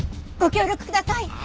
ご協力ください！